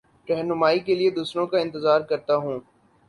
رہنمائ کے لیے دوسروں کا انتظار کرتا ہوں